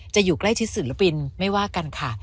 อยู่ใกล้ชิดศิลปินไม่ว่ากันค่ะ